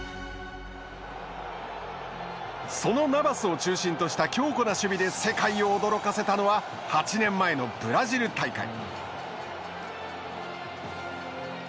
そのナバスを中心とした強固な守備で世界を驚かせたのは８年前のブラジル大会。